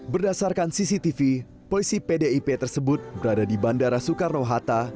berdasarkan cctv polisi pdip tersebut berada di bandara soekarno hatta